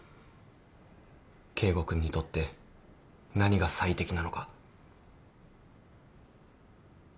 圭吾君にとって何が最適なのか。